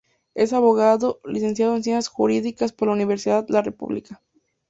Es abogado, Licenciado en Ciencias Jurídicas por la Universidad La República.